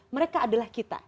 mereka adalah kita